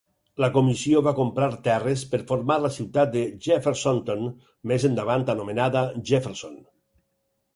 La comissió va comprar terres per formar la ciutat de Jeffersonton, més endavant anomenada Jefferson.